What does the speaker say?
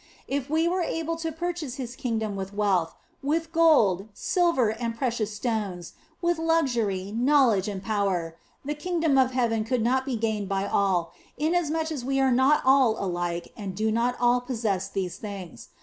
If we were able to purchase His kingdom with wealth, with gold, silver, and precious stones, with luxury, knowledge, and power, the kingdom of heaven could not be gained by all, inasmuch as we are not all alike and do not all possess these things.